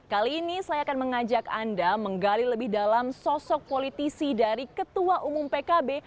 kali ini saya akan mengajak anda menggali lebih dalam sosok politisi dari ketua umum pkb